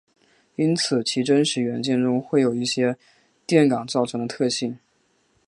因此其真实元件中会有一些电感造成的特性。